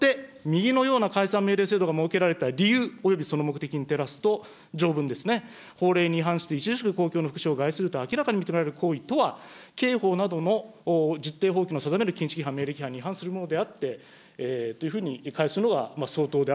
よって、右のような解散命令制度が設けられた理由、およびその目的に照らすと、条文ですね、法令に違反して、著しく公共の福祉を害する行為と明らかに認められる場合には、刑法などの実定法規の定める禁止規範または命令規範に反するものであって、いってるんですね。